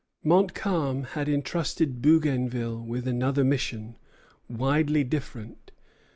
Montcalm had intrusted Bougainville with another mission, widely different.